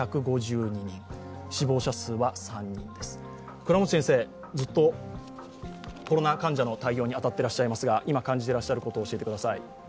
倉持先生、ずっとコロナ患者の対応に当たっていらっしゃいますが、今、感じていらっしゃることを教えてください。